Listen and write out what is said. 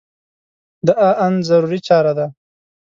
دا ان ضروري چاره ده.